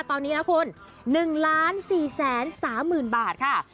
ตอนนี้นะคุณ๑ล้าน๔แสน๓หมื่นบาทค่ะ